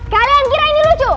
kalian kira ini lucu